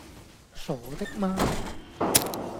傻的嗎?